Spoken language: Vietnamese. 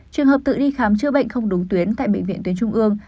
trường hợp tự đi khám chữa bệnh không đúng tuyến tại bệnh viện tuyến trung ương